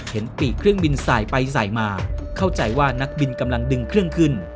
ปีกเครื่องบินสายไปสายมาเข้าใจว่านักบินกำลังดึงเครื่องขึ้น